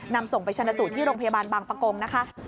นำส่งไปชนะสูตรที่โรงพยาบาลบางประกงนะคะ